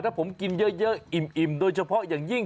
ถ้าผมกินเยอะอิ่มโดยเฉพาะอย่างยิ่ง